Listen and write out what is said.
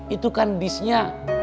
itu kan disnya